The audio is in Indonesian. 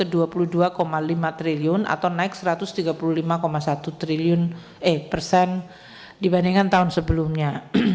dari dua belas lima triliun atau naik satu ratus tiga puluh lima satu persen dibandingkan tahun sebelumnya